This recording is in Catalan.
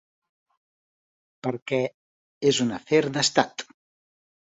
Perquè és un afer d’estat.